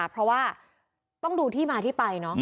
เพราะว่าต้องดูที่มาที่ไปเนอะ